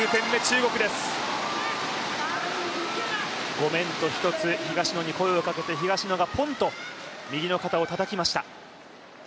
ごめんと１つ東野に声をかけて東野がポンと右の肩をたたきました。